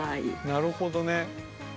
なるほどね。